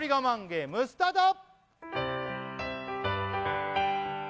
ゲームスタート